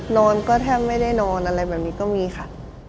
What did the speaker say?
นอนก็แทบไม่ได้นอนอะไรแบบนี้ก็มีค่ะ